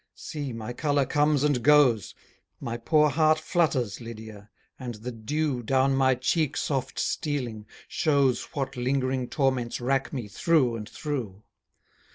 See, my colour comes and goes, My poor heart flutters, Lydia, and the dew, Down my cheek soft stealing, shows What lingering torments rack me through and through.